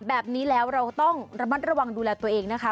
แบบนี้แล้วเราต้องระมัดระวังดูแลตัวเองนะคะ